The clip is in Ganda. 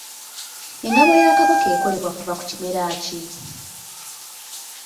Engabo ya Kabaka ekolebwa kuva ku kimera ki?